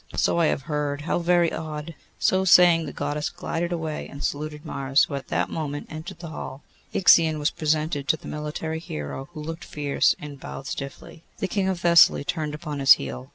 'So I have heard. How very odd!' So saying, the Goddess glided away and saluted Mars, who at that moment entered the hall. Ixion was presented to the military hero, who looked fierce and bowed stiffly. The King of Thessaly turned upon his heel.